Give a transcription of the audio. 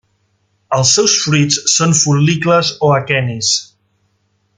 Els seus fruits són fol·licles o aquenis.